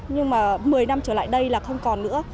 nhưng mà một mươi năm trở lại đây là không còn nữa